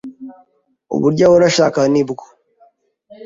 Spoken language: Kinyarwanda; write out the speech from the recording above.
Uburyo ahora ashaka nibwo